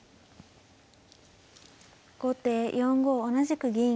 後手４五同じく銀。